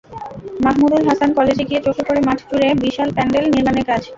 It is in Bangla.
মাহমুদুল হাসান কলেজে গিয়ে চোখে পড়ে মাঠজুড়ে বিশাল প্যান্ডেল নির্মাণের কাজ।